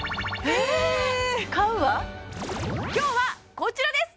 え今日はこちらです！